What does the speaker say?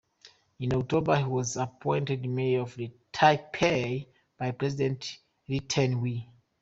In October, he was appointed Mayor of Taipei by President Lee Teng-hui.